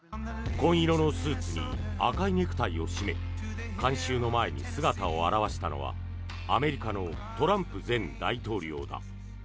紺色のスーツに赤いネクタイを締め観衆の前に姿を現したのはアメリカのトランプ前大統領だ。